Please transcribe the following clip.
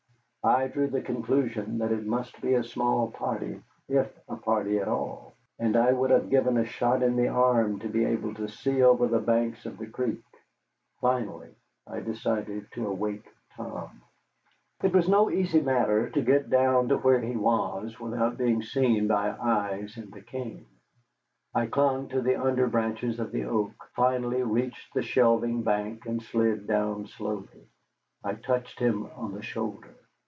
I drew the conclusion that it must be a small party if a party at all. And I would have given a shot in the arm to be able to see over the banks of the creek. Finally I decided to awake Tom. It was no easy matter to get down to where he was without being seen by eyes in the cane. I clung to the under branches of the oak, finally reached the shelving bank, and slid down slowly. I touched him on the shoulder.